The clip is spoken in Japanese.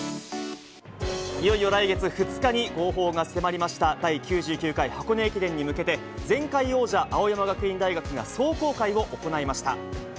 いよいよ来月２日に号砲が迫りました、第９９回箱根駅伝に向けて、前回王者、青山学院大学が壮行会を行いました。